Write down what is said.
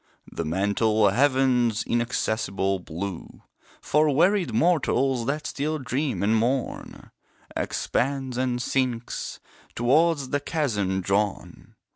The mental Heaven's inaccessible blue, For wearied mortals that still dream and mourn, Expands and sinks; towards the chasm drawn.